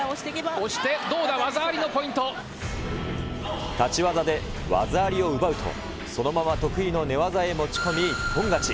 押して、どうだ、技ありのポ立ち技で技ありを奪うと、そのまま得意の寝技に持ち込み、一本勝ち。